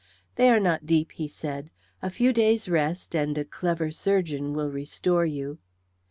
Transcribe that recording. "They are not deep," he said; "a few days' rest and a clever surgeon will restore you."